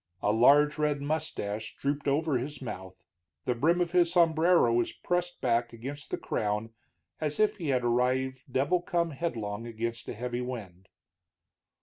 A large red mustache drooped over his mouth, the brim of his sombrero was pressed back against the crown as if he had arrived devil come headlong against a heavy wind.